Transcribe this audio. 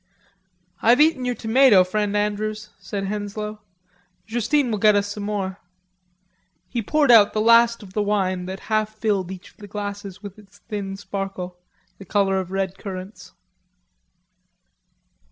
"I've eaten your tomato, friend Andrews," said Henslowe. "Justine will get us some more." He poured out the last of the wine that half filled each of the glasses with its thin sparkle, the color of red currants.